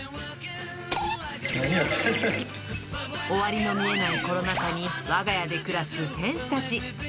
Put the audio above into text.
終わりの見えないコロナ禍に、わが家で暮らす天使たち。